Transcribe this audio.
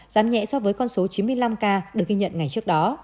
giám nhẽ so với con số chín mươi năm ca được ghi nhận ngày trước đó